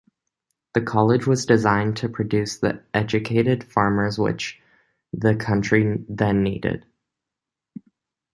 The college was designed to produce the educated farmers which the country then needed.